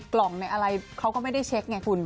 กล่องในอะไรเขาก็ไม่ได้เช็คไงคุณ